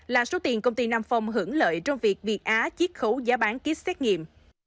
là số tiền công ty nam phong hưởng lợi trong việc việt á chiếc khấu giá bán kýt xét nghiệm